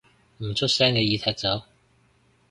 唔出聲嘅已踢走